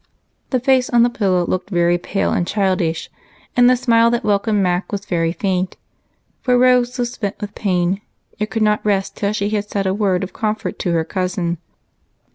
The face on the pillow looked very pale and childish, and the smile that welcomed Mac was very faint, for Rose was spent with jDain, yet could not rest till she had said a word of comfort to her cousin.